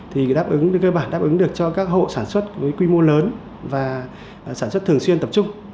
thì đáp ứng được cho các hộ sản xuất với quy mô lớn và sản xuất thường xuyên tập trung